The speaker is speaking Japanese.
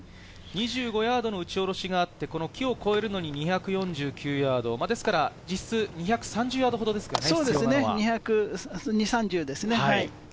２５ヤードの打ち下ろしがあって、木を越えるのに２４９ヤード、実質２３０ヤードほどですからね。